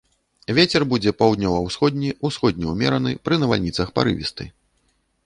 Вецер будзе паўднёва-ўсходні, усходні ўмераны, пры навальніцах парывісты.